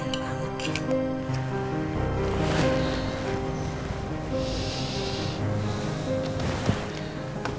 aduh kesel banget